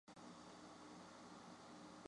但是书店没货